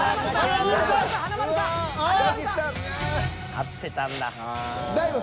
合ってたんだ。